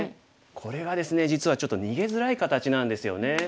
これがですね実はちょっと逃げづらい形なんですよね。